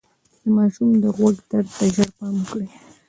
د ماشوم د غوږ درد ته ژر پام وکړئ.